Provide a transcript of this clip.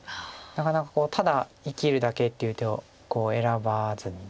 なかなかただ生きるだけっていう手を選ばずにですね